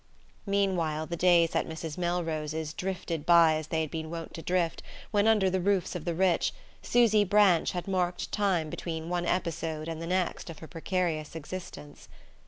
Meanwhile the days at Mrs. Melrose's drifted by as they had been wont to drift when, under the roofs of the rich, Susy Branch had marked time between one episode and the next of her precarious existence.